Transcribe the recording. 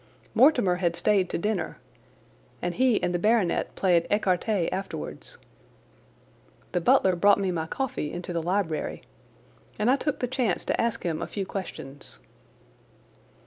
Mortimer had stayed to dinner, and he and the baronet played écarté afterwards. The butler brought me my coffee into the library, and I took the chance to ask him a few questions.